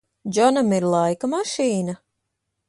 Džonam ir laika mašīna?